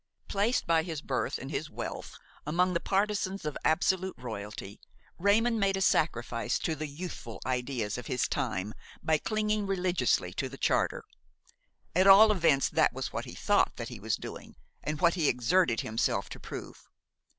Placed by his birth and his wealth among the partisans of absolute royalty, Raymon made a sacrifice to the youthful ideas of his time by clinging religiously to the Charter; at all events that was what he thought that he was doing and what he exerted himself to prove.